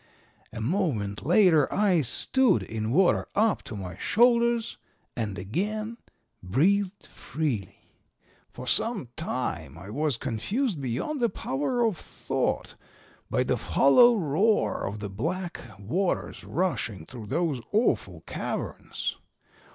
A moment later I stood in water up to my shoulders and again breathed freely. For some time I was confused beyond the power of thought by the hollow roar of the black waters rushing through those awful caverns.